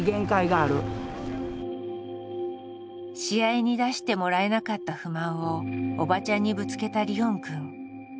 試合に出してもらえなかった不満をおばちゃんにぶつけたリオンくん。